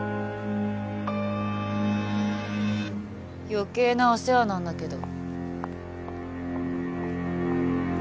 余計なお世話なんだけど。